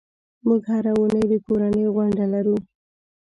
موږ هره اونۍ د کورنۍ غونډه لرو.